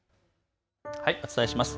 お伝えします。